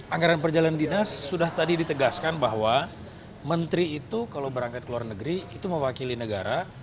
anggaran perjalanan dinas sudah tadi ditegaskan bahwa menteri itu kalau berangkat ke luar negeri itu mewakili negara